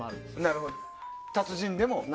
なるほど、達人でも。